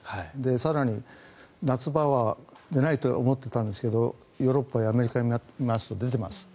更に、夏場は出ないと思っていたんですがヨーロッパやアメリカを見ますと出ています。